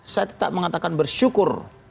saya tetap mengatakan bersyukur